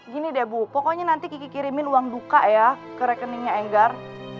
gini deh bu pokoknya nanti kiki kirimin uang duka ya ke rekeningnya enggar